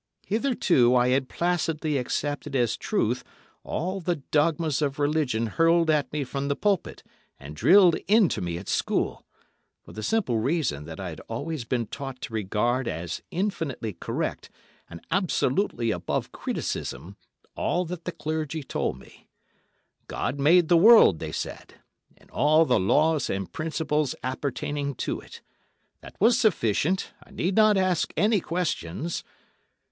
Hitherto I had placidly accepted as truth all the dogmas of religion hurled at me from the pulpit and drilled into me at school, for the simple reason that I had always been taught to regard as infinitely correct and absolutely above criticism all that the clergy told me: God made the world, they said, and all the laws and principles appertaining to it—that was sufficient—I need not ask any questions.